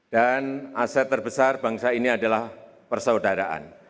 dan aset terbesar bangsa ini adalah persaudaraan